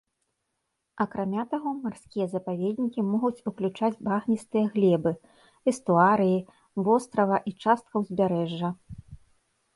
Акрамя таго, марскія запаведнікі могуць уключаць багністыя глебы, эстуарыі, вострава і частка ўзбярэжжа.